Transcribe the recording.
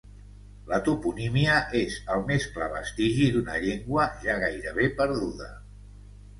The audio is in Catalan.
La toponímia és el més clar vestigi d'una llengua ja gairebé perduda.